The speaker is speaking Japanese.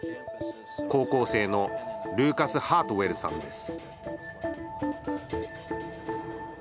高校生のルーカス・ハートウェルさんです。